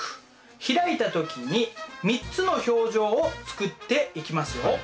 開いた時に３つの表情を作っていきますよ。